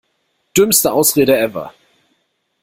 Dümmste Ausrede ever!